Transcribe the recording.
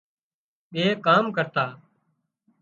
ٻي ڪام ڪرتا